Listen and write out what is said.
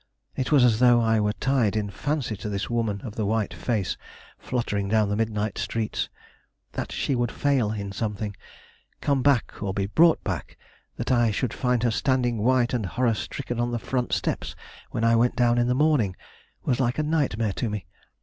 It was as though I were tied in fancy to this woman of the white face fluttering down the midnight streets. That she would fail in something come back or be brought back that I should find her standing white and horror stricken on the front steps when I went down in the morning, was like a nightmare to me.